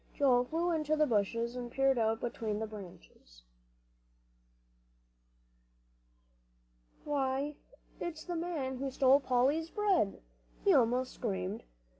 Joel flew into the bushes and peered out between the branches. "Why, it's the man who stole Polly's bread!" he almost screamed.